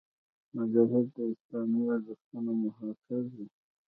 مجاهد د اسلامي ارزښتونو محافظ وي.